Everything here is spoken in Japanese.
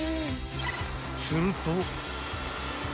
［すると］